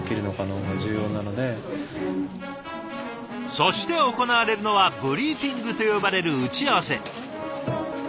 そして行われるのは「ブリーフィング」と呼ばれる打ち合わせ。